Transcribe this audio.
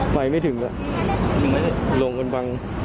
ไฟไม่ถึงแหละหลงเป็นบาง